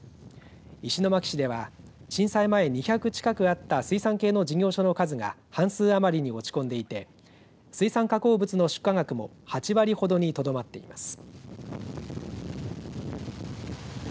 石巻市では震災前２００近くあった水産系の事業者の数が半数余りに落ち込んでいて水産加工物の出荷額も８割ほどにとどまっています。